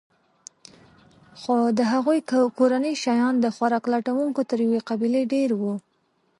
خو د هغوی کورنۍ شیان د خوراک لټونکو تر یوې قبیلې ډېر وو.